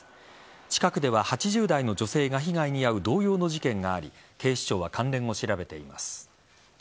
近くでは８０代の女性が被害に遭う同様の事件があり警視庁は関連を調べています。